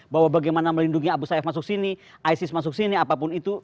bahwa bagaimana melindungi abu sayyaf masuk sini isis masuk sini apapun itu